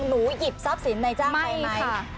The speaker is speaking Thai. หนูหยิบทรัพย์สินในจ้างไทยไหมไม่ค่ะ